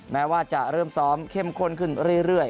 แม้ว่าจะเริ่มซ้อมเข้มข้นขึ้นเรื่อย